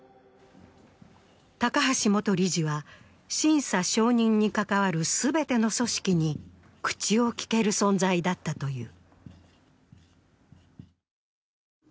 高橋元理事は、審査・承認に関わる全ての組織に口を利ける存在だったという。